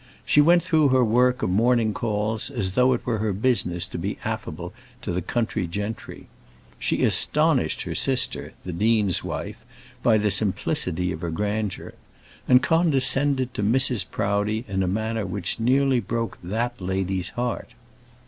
She went through her work of morning calls as though it were her business to be affable to the country gentry. She astonished her sister, the dean's wife, by the simplicity of her grandeur; and condescended to Mrs. Proudie in a manner which nearly broke that lady's heart.